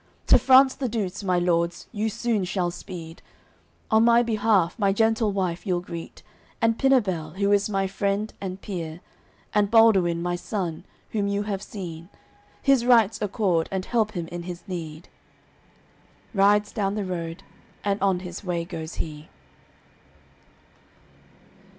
To France the Douce, my lords, you soon shall speed, On my behalf my gentle wife you'll greet, And Pinabel, who is my friend and peer, And Baldewin, my son, whom you have seen; His rights accord and help him in his need." Rides down the road, and on his way goes he.